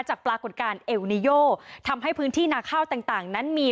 ปรากฏการณ์เอลนิโยทำให้พื้นที่นาข้าวต่างต่างนั้นมี